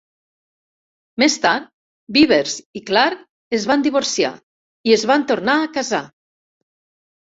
Més tard, Beavers i Clark es van divorciar, i es van tornar a casar.